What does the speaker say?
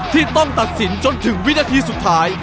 ที่ต้องตัดสินจนถึงวินาทีสุดท้าย